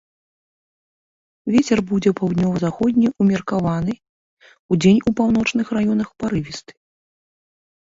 Вецер будзе паўднёва-заходні ўмеркаваны, удзень у паўночных раёнах парывісты.